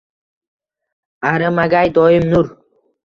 Arimagay doim nur.